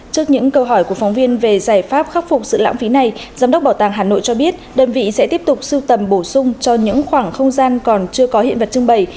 trước những câu hỏi của phóng viên về giải pháp khắc phục sự lãng phí này giám đốc bảo tàng hà nội cho biết đơn vị sẽ tiếp tục sưu tầm bổ sung cho những khoảng không gian còn chưa có hiện vật trưng bày